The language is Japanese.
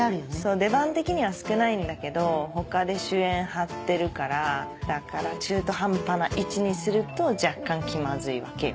出番的には少ないんだけど他で主演張ってるからだから中途半端な位置にすると若干気まずいわけよ。